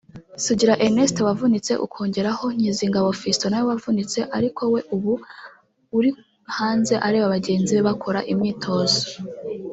Sugira Ernest wavunitse ukongeraho Nkinzingabo Fiston nawe wavunitse ariko we uba uri hanze areba bagenzi be bakora imyitozo